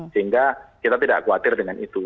sehingga kita tidak khawatir dengan itu